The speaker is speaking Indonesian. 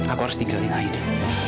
aku harus tinggalin aida